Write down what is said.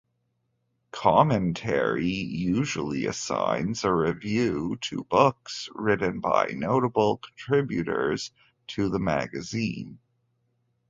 "Commentary" usually assigns a review to books written by notable contributors to the magazine.